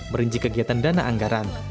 merinci kegiatan dana anggaran